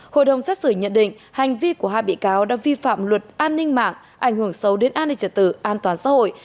hội đồng xét xử nhận định hành vi của hai bị cáo đã vi phạm luật an ninh mạng ảnh hưởng sâu đến an ninh trật tự an toàn xã hội